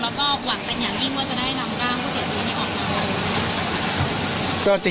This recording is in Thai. แล้วก็หวังเป็นอย่างยิ่งว่าจะได้นำร่างผู้เสียชีวิตนี้ออกมา